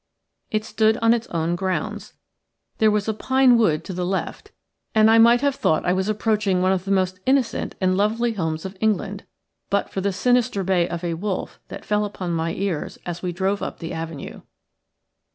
It stood in its own grounds. There was a pine wood to the left, and I might have thought I was approaching one of the most innocent and lovely homes of England, but for the sinister bay of a wolf that fell upon my ears as we drove up the avenue.